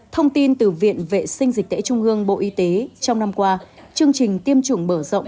thông tin từ viện vệ sinh dịch tễ trung ương bộ y tế trong năm qua chương trình tiêm chủng mở rộng